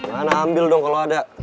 nah nah ambil dong kalo ada